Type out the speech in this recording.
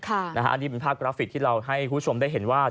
อันนี้มีภาพกราฟิตให้เราชมได้เห็นว่า